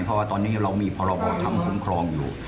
เพราะว่าตอนนี้เรามีพรบทำคุ้มครองอยู่